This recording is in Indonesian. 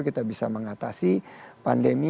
kita bisa mengatasi pandemi